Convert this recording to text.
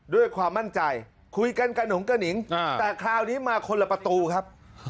ด้วยความมั่นใจคุยกันกระหนุงกระหนิงแต่คราวนี้มาคนละประตูครับ